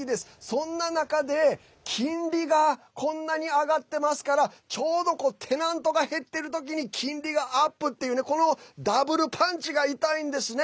そんな中で、金利がこんなに上がってますからちょうどテナントが減っているときに金利がアップっていうこのダブルパンチが痛いんですね。